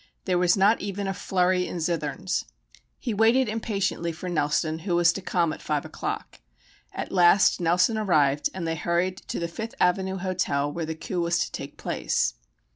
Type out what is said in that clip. There was not even a flurry in zitherns. He waited impatiently for Nelson who was to come at five o'clock. At last Nelson arrived and they hurried to the Fifth Avenue Hotel where the coup was to take place.